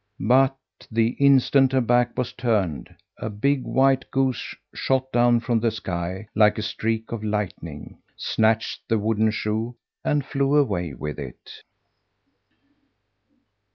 But the instant her back was turned, a big white goose shot down from the sky, like a streak of lightning, snatched the wooden shoe, and flew away with it.